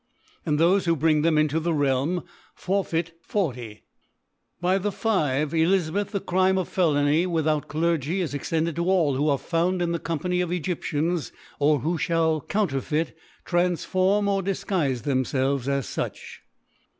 And thole who bring them into theRealm, forfeit 40 L By the 5 E/iz. theCrime of Felony with out Clergy is extended to all who are found in the Company otEgyfiianSy or who fliall* counterfeit, transform, or di%uife them felvcs as fuch.